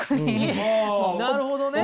なるほどね！